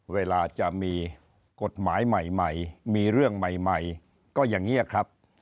เวลาจะมีกฎหมายใหม่มีเรื่องใหม่ก็อย่างนี้ครับ